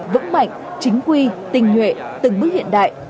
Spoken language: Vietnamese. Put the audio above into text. vững mạnh chính quy tình nhuệ từng bước hiện đại